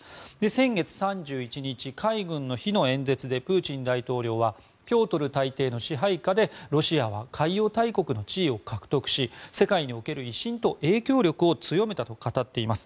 先月３１日、海軍の日の演説でプーチン大統領はピョートル大帝の支配下でロシアは海洋大国の地位を獲得し世界における威信と影響力を強めたと語っています。